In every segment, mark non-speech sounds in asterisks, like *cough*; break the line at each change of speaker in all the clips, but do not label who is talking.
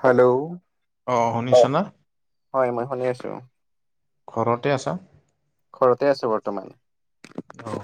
Hello
অ শুনিছানা
হয় মই শুনি আছো।
ঘৰতে আছা?
ঘৰতে আছো বৰ্তমান।
অ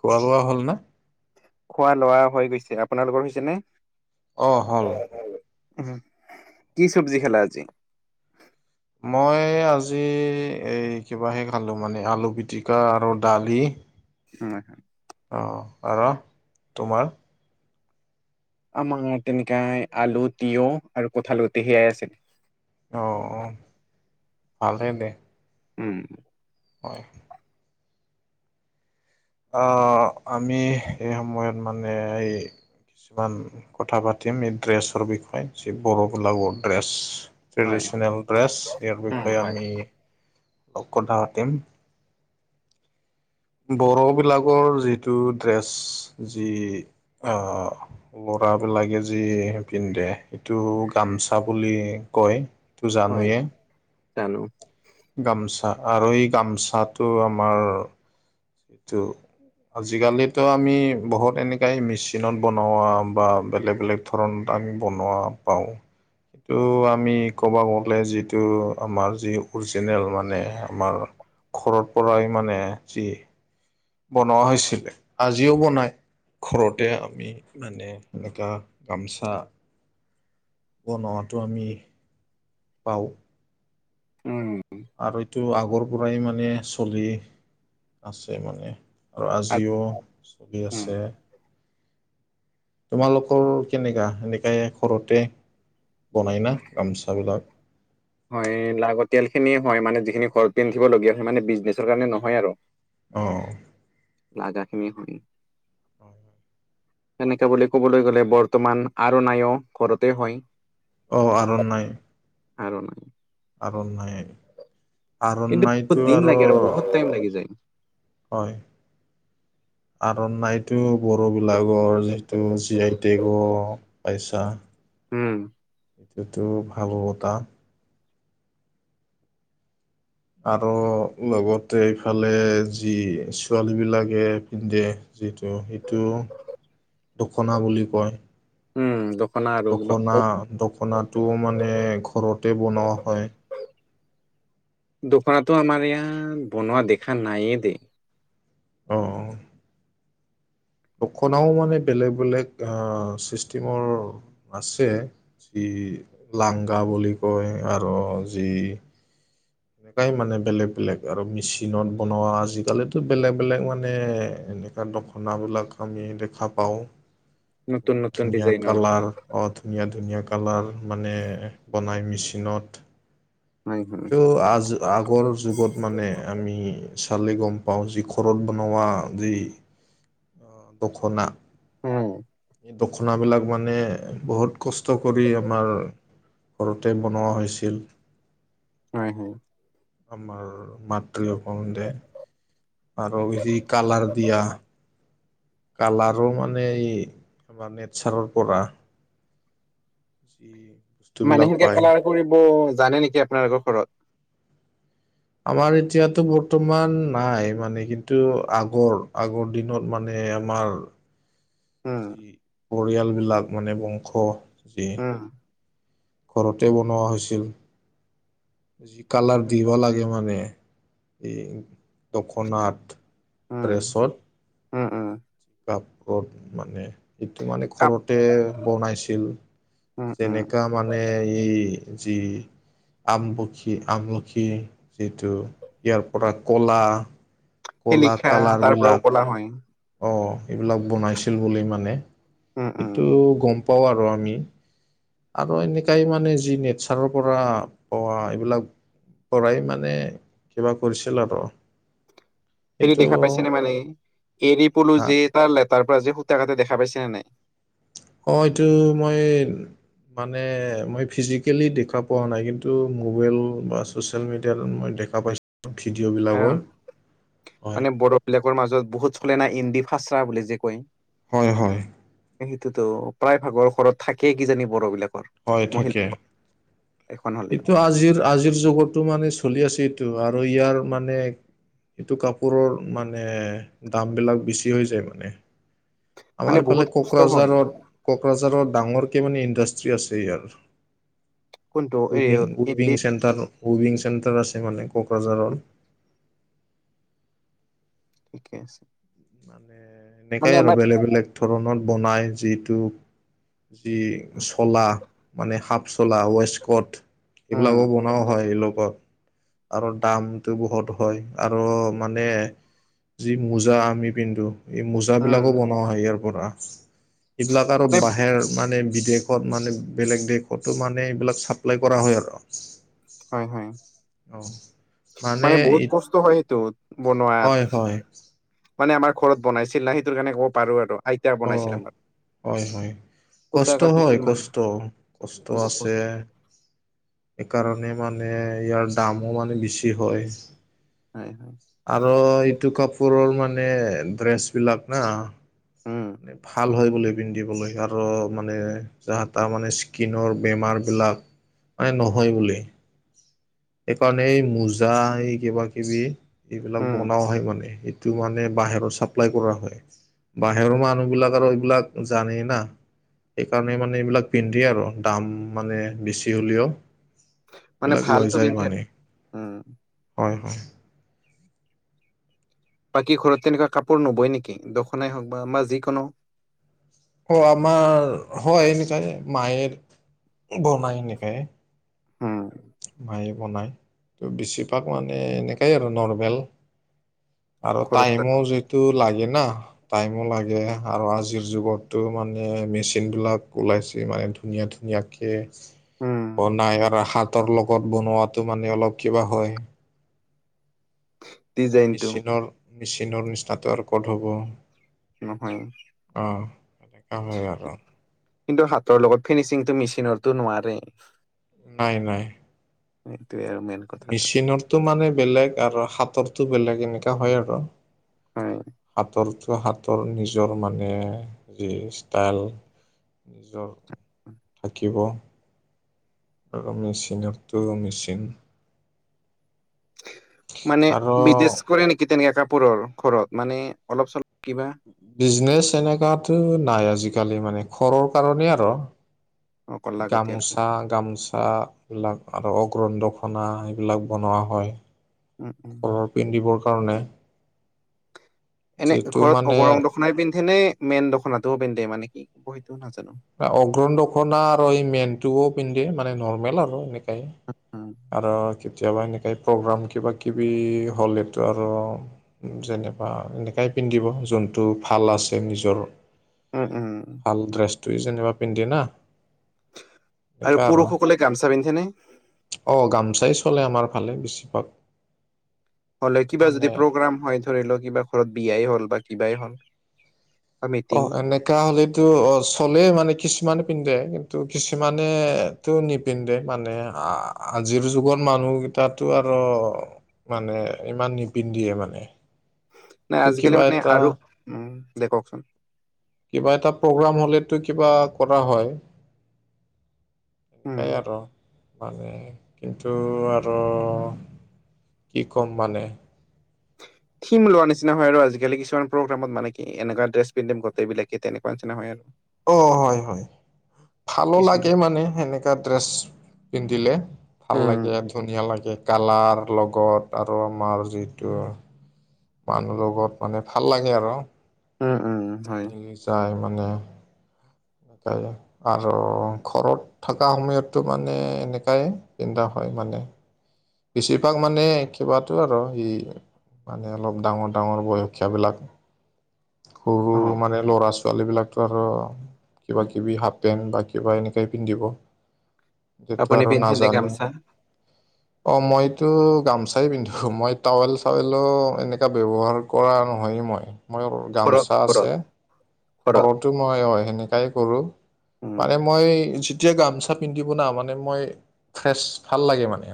খোৱা বোৱা হ'ল ন?
খোৱা লোৱা হৈ গৈছে আপোনালোকৰ হৈছে নে?
অ হ'ল।
কি চব্জি খালা আজি?
মই আজি এই কিবাহে খালোঁ মানে আলু পিটিকা আৰু দালি।
উম্
অঁহ আৰু তোমাৰ?
আমাৰ তেনেকাই আলু, তিয়হ আৰু কঠাল গোটি সেয়াই আছিল।
অ অ ভালহে দে।
উমঁ
হয় অঁহ আমি এই সময়ত মানে এই! কিছুমান কথা পাতিম এই ড্ৰেছৰ বিষয়ে যি বড়োৱে গোলাগৰ ড্ৰেছ।
হয়
ট্ৰেডিচনেল ড্ৰেছ, ইয়াৰ
উম
বিষয়ে
হয়
আমি অলপ কথা পাতিম। বড়োবিলাকৰ যিটো ড্ৰেছ, যি অঁহ! ল'ৰাবিলাকে যি পিন্ধে সেইটো গামচা বুলি কয়।
হয়, জানো।
গামোচা আৰু এই গামোচাটো আমাৰ! সেইটো আজিকালিতো আমি বহুত এনেকাই মেচিনত বনোৱা বা বেলেগ বেলেগ! ধৰণ আমি বনোৱা পাওঁ। ত' আমি কোবা গ'লে যিটো আমাৰ যি অৰিজিনেল মানে আমাৰ! ঘৰৰ পৰাই মানে যি! বনোৱা হৈছিলে আজিও বনায় ঘৰতে আমি মানে। এনেকুৱা গামছা। বনোৱাটো আমি! বাওঁ
উমঁ
আৰু এইটো আগৰ পৰাই মানে চলি আছে মানে। আৰু আজিও চলি
উম
আছে। তোমালোকৰ কেনেকা সেনেকাই ঘৰতে। বনাই না গামোচাবিলাক?
হয় লাগতিয়ালখিনি হয় মানে যিখিনি ঘৰত পিন্ধিবলগীয়া হয় মানে বিজনেছৰ কাৰণে নহয় আৰু।
অঁহ।
লাগাখিনি হয়।
হয় হয়।
তেনেকা বুলি ক'বলৈ গ'লে বৰ্তমান আৰু নাইও ঘৰতে হয়।
অঁহ আৰুনাই।
আৰনাই।
আৰনাই
কিন্তু বহুত
আৰনাইটো
দিন
আৰু
লাগে বহুত টাইম লাগি যায়
হয়। আৰনাইটো বড়োবিলাকৰ যিহেতু জি আই টেগ পাইচা
উমঁ।
এইটোটো ভাবো এটা আৰু লগতে ইফালে যি ছোৱালীবিলাকে পিন্ধে যিটো সেইটো দখনা বুলি কয়।
উম দখনা আৰু কিবা
দখনা
অ'
দখনাটো মানে ঘৰতে বনোৱা হয়।
দোকানতো আমাৰ ইয়াত বনোৱা দেখা নায়ে দেই।
অহ। দখনাও মানে বেলেগ বেলেগ অ ছিষ্টেমৰ আছে। যি লাংগা বুলি কয় আৰু যি এনেকাই মানে বেলেগ বেলেগ আৰু মেচিনত বনোৱা আজিকালিটো বেলেগ বেলেগ মানে এনে এয়া দখনাবিলাক আমি দেখা পাওঁ,
নতুন
ধুনীয়া
নতুন
ধুনীয়া
ডিজাইনৰ।
কালাৰ। অঁ, ধুনীয়া ধুনীয়া কালাৰ মানে বনায় মানে মেচিনত।
হয়, হয়।
টো আজ আগৰ যুগত মানে আমি চালে গম পাওঁ, যি ঘৰত বনোৱা যি অ দখনা।
উম,
এই দখনাবিলাক মানে, বহুত কষ্ট কৰি আমাৰ ঘৰতে বনোৱা হৈছিল।
হয় হয়।
আমাৰ মাতৃ *unintelligible* আৰু বেছি কালাৰ দিয়া কালাৰো মানে এই, আমাৰ নেটচাৰৰ পৰা। যি
মানে
বস্তুবিলাক
হেনেকে
পায়
কালাৰ কৰিব জানে নেকি আপোনালোকৰ ঘৰত?
আমাৰ এতিয়াতো বৰ্তমান নাই মানে কিন্তু, আগৰ আগৰ দিনত মানে আমাৰ
উম,
যি পৰিয়ালবিলাক মানে বংশ যি
অঁ।
ঘৰতে বনোৱা হৈছিল। যি, কালাৰ দিবা লাগে মানে এই দখনাত
উম,
ড্ৰেছত।
উম উম।
*unintelligible* মানে ইটো মানে
কাপ
ঘৰতে বনাইছিল।
উম, উম,
যেনেকা মানে এই যি আমলখি- আমলখি যিটো ইয়াৰ পৰা ক'লা। কলা
শিলিখা
কালাৰ
তাৰ পৰাও ক'লা
বিলাক।
হয়।
অঁ, এইবিলাক বনাইছিল বুলি মানে,
উম, উম,
এইটো গম পাওঁ আৰু আমি। আৰু এনেকাই মানে যি নেটচাৰৰ পৰা পোৱা এইবিলাক। পৰাই মানে কিবা কৰিছিল আৰু!
হেৰি
কিন্তু
দেখা পাইছে নে মানে, এৰি পলো
হা
যে তাৰ লেটাৰ পৰা যে সূতা কাতে দেখা পাইছে নে নাই?
অঁ, এইটো মই! মানে মই ফিজিকেলি দেখা পোৱা নাই কিন্তু মোবাইল বা! চচিয়েল মিডিয়াত মই দেখা পাইছো। ভিডিঅ' বিলাক।
আৰু মানে বড়োবিলাকৰ মাজত বহুত চলে না, ইন্দি ফাচা বুলি যে কয়।
হয় হয়।
সেইটোতো প্ৰায় ভাগৰ ঘৰত থাকেই কিজানি বড়ো বিলাকৰ।
হয়
মহিলা
থাকে,
এখন হ'লেও
এইটো আজিৰ আজিৰ যুগত। টো মানে চলি আছো, এইটো আৰু ইয়াৰ মানে! এইটো কাপোৰৰ মানে, দামবিলাক বেছি হৈ যায় মানে।
মানে
আমাৰ ইফালে
বহুত কষ্ট হয়
কোকৰাঝাৰত- কোকৰাঝাৰত ডাঙৰকে মানে ইণ্ডাষ্ট্ৰ্ৰী আছে ইয়াৰ।
কোনটো এই
whipping - whipping centre whipping centre আছে মানে কোকৰাঝাৰত।
ঠিকে আছে।
মানে
মানে
এনেকাই আৰু
আমাৰ
বেলেগ- বেলেগ ধৰণত বনায় যিটো। যি, চলা মানে হাফ চলা ৱেষ্টকট।
উম
এইবিলাকো বনাও হয় এই লগত। আৰু দামটো বহুত হয়, আৰু মানে যি মোজা আমি পিন্ধো। এই মোজা বিলাকো
উম
বনোৱা হয় ইয়াৰ পৰা, এইবিলাক আৰু
মানে
বাঁহে! মানে বিদেশত মানে, বেলেগ দেশতো মানে এইবিলাক চাপ্লাই কৰা হয় আৰু।
হয় হয়,
অ
মানে বহুত কষ্ট হয় সেইটো। বনোৱাত,
হয় হয়
মানে আমাৰ ঘৰত বনাইছিল না সেইটোৰ কাৰণে ক'ব পাৰো আৰু। আইতা
অ
বনাইছিলে আমাৰ।
হয়, হয়।
সূতা
কষ্ট, হয়,
কাটিছিল মানে
কষ্ট, কষ্ট
বহুত
আছে। সেইকাৰণে মানে ইয়াৰ দামো মানে বেছি হয়।
*inaudible*
আৰু এইটো কাপোৰৰ মানে ড্ৰেচ বিলাক না!
উম
ভাল হয় বোলে। পিন্ধিবলৈ আৰু মানে যাহ তাৰ মানে স্কিনৰ বেমাৰবিলাক। মানে নহয় বুলে সেইকাৰণে এই মোজা এই কিবা কিবি। এইবিলাক
উম
বনাও হয় মানে এইটো মানে বাহিৰত চাপ্লাই কৰা হয়, বাহিৰৰ মান! মানুহ বিলাক আৰু এইবিলাক জানেই না। সেইকাৰণে মানে এইবিলাক পিন্ধি আৰু দাম মানে বেছি হ'লেও।
মানে
এইবিলাক লৈ
ভালতো
যায়
পিন্ধে
মানে
উম
হয়, হয়।
বাকী ঘৰত তেনেকুৱা কাপোৰ নবই নেকি দখনাই হওক বা আমাৰ যিকোনো।
অ আমাৰ হয়, এনেকাই মায়ে বনাই এনেকায়।
উ'ম
খায় বনায় ত' বেছিভাগ মানে এনেকাই আৰু নৰৰ্মেল। আৰু
ঘৰত
টাইমো যিটো লাগে না। টাইমো লাগে আৰু আজিৰ যুগতো মানে মেচিন বিলাক ওলাইছে মানে। ধুনীয়া ধুনীয়াকে।
উম
বনাই আৰু হাতৰ লগত বনোৱাতটো মানে অলপ কিবা হয়।
ডিজাইনটো
মেচিনৰ মেচিনৰ নিচিনাটো আৰু কত হ'ব।
নহয়।
অ এনেকা হয় আৰু
কিন্তু হাতৰ লগত ফিনিচিংতটো মেচিনতো নোৱাৰে।
হয় হয়।
সেইটো আও মইন।
মেচিনৰতটো মানে বেলেগ আৰু হাতৰটো বেলেগ এয়ঙ্কা হয় আৰু।
হয়
হাতৰটো হাতৰ নিজৰ মানে যি ষ্টাইল। নিজৰ থাকিব। আৰু মেচিনততো মেচিন!
মানে
আৰু
বিজনেছ কৰে নেকি তেনেকে কাপোৰৰ ঘৰত মানে অলপ চলপ কিবা।
বিজনেচ এনেকুৱাতো নাই আজিকালি মানে ঘৰৰ কাৰণেই আৰু।
অকল লাগতিয়াল খিনি
গামোচা। গামোচাবিলাক আৰু অগ্ৰ দখনা সেইবিলাক বনোৱা হয়। ঘৰৰ
*inaudible*
পিন্ধিবৰ কাৰণে।
এনে
যিটো
ঘৰত
মানে
অগৰং দখনাই পিন্ধে নে মেইন দখনাতটোও পিন্ধে মানে কি সেইটো নাজানো।
অগ্ৰণ দখনা আৰু এই মেনটোও পিন্ধে মানে নৰ্মেল আৰু এনেকাই।
*inaudible*
আৰু কেতিয়াবা এনেকে প্ৰগ্ৰাম কিবা কিবি হ'লেতটো আৰু। যেনবা এনেকাই পিন্ধিব যোনটো ভাল আছে নিজৰ।
উম, উম
ভাল ড্ৰেছটোৱে যেনিবা পিন্ধে না।
আৰু পুৰুষসকলে গামচা পিন্ধেনে?
অঁ গামোচাই চলে আমাৰ ফালে বেছিভাগ।
হ'লে কিবা যদি
মানে
প্ৰগ্ৰাম হয় ধৰি লওক কিবা ঘৰত বিয়াই হ'ল বা কিবাই হ'ল। বা
অ
মিটিং
এনেকা হলেটো অ চলে মানে কিছুমান পিন্ধে কিন্তু কিছুমানে! নিপিন্ধে মানে আজিৰ যুগৰ মানুহকেইটো আৰু। মানে ইমান নিপিন্ধিয়ে মানে।
নাই
কিন্তু
আজিকালি
কিবা
মানে
এটা
আৰু উ দে ক।
কিবা এটা প্ৰগ্ৰাম হলেতো কিবা কৰা হয়।
উম
সেই আৰু মানে কিন্তু আৰু কি ক'ম মানে!
থিম লোৱাৰ নিচিনা হয় আৰু আজিকালি কিছুমান প্ৰগ্ৰামত মানে কি এনেকুৱা ড্ৰেছ পিন্ধিম গোটেইবিলাকে তেনেকুৱা নিচিনা হয়, আৰু!
অ হয় হয় ভালো লাগে
কিছুমানে
মানে সেনেকা ড্ৰেছ পিন্ধিলে। ভাল
উম
লাগে ধুনীয়া লাগে কালাৰ লগত আৰু আমাৰ যিটো। মানুহ লগত মানে ভাল লাগে আৰু!
উম উম উম
মিলি যায় মানে এনেক আৰু ঘৰত। থকা সময়তটো মানে এনেকাই পিন্ধা হয় মানে। বেছিভাগ মানে কিবাতো আৰু সেই। মানে অলপ ডাঙৰ, ডাঙৰ বয়সীয়াবিলাক। সৰু
অ
মানে লৰা ছোৱালী বিলাকতো আৰু! কিবা কিবি হাফ পেণ্ট বা কিবা কিবি এনেকেই পিন্ধিব। সেইটো
আপুনি
আৰু
পিন্ধেনে
নাজানে।
গামচা
অ মইতো গামচাই পিন্ধো মই টাৱেল চাৱেলো এনেকা ব্যৱহাৰ! কৰা নহয়েই মই। মোৰ
ঘৰত
গামচা
ঘৰত
আছে
ঘৰত
ঘৰতো মই অ সেনেকাই কৰোঁ।
উম
মানে মই যেতিয়া গামচা পিন্ধিব ন মানে মই ফ্ৰেছ ভাল লাগে মানে।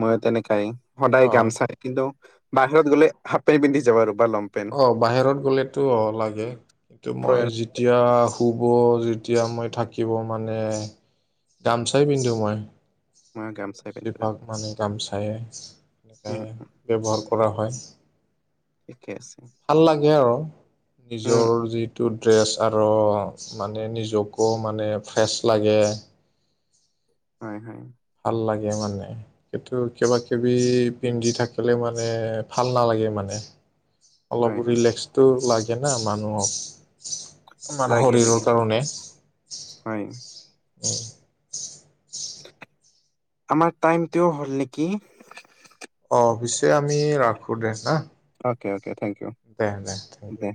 মইয়ো তেনেকাই সদায়
অ
গামচাই কিন্তু বাহিৰত গ'লে হাফ পেণ্ট পিন্ধি যাব আৰু বা লং প!
অঁ বাহিৰত গ'লেতো অঁ লাগে কিন্তু মই
প্ৰয়ন
যি! যেতিয়া শুব যেতিয়া মই থাকিব মানে! গামচাই পিন্ধো মই।
মই গামচাই পিন্ধো তেনে।
বেছিভাগ মানে গামচাই সনেকে
উম
ব্যৱহাৰ কৰা হয়।
ঠিকে আছে।
ভাল লাগে আৰু
উম
নিজৰ যিটো ড্ৰেছ আৰু! মানে নিজকো মানে ফ্ৰেছ লাগে।
হয় হয়
ভাল লাগে মানে। কিন্তু কিবা কিবি পিন্ধি থাকিলে মানে ভাল নালাগে, মানে! অলপ
হয় হয়
ৰিলেক্সটো লাগে না মানুহক। আমাৰ
লাগে
শৰীৰৰ
লাগে
কাৰণে।
হয়।
*inaudible*
আমাৰ টাইমটোও হ'ল নেকি?
অঁ অ পিছে আমি ৰাখো দে হা,
অকে অকে থেংক ইউ
দে দে!
দে